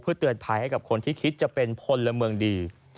เพื่อเตือนภัยให้กับคนที่คิดจะเป็นพลเมืองดี